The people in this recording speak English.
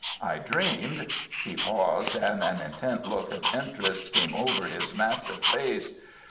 "I dreamed—" He paused, and an intent look of interest came over his massive face.